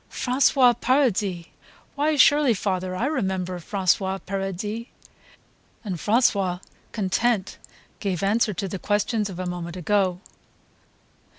"François Paradis! ... Why surely, father, I remember François Paradis." And François, content, gave answer to the questions of a moment ago.